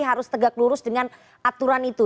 harus tegak lurus dengan aturan itu